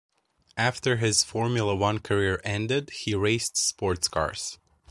After his Formula One career ended, he raced sportscars.